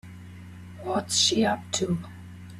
What's she up to?